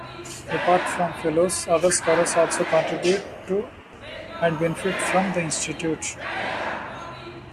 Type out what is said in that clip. Apart from Fellows, other scholars also contribute to, and benefit from, the Institute.